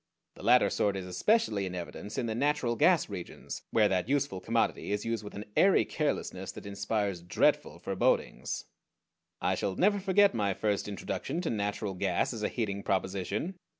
The latter sort is especially in evidence in the natural gas regions, where that useful commodity is used with an airy carelessness that inspires dreadful forebodings. I shall never forget my first introduction to natural gas as a heating proposition.